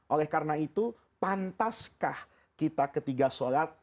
oleh karena itu pantaskah kita ketika sholat